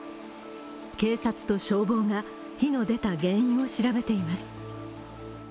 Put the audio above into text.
警察と消防が火の出た原因を調べています。